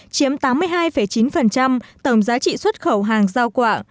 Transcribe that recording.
chiếm tám mươi hai chín tổng giá trị xuất khẩu hàng giao quả